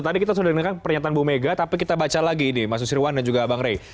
tadi kita sudah dengarkan pernyataan bu mega tapi kita baca lagi ini mas susirwan dan juga bang rey